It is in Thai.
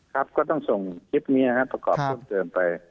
ครับก็ต้องส่งคลิปนี้นะครับประกอบเพิ่มเติมไป